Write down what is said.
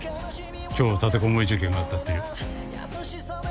今日立てこもり事件があったっていう。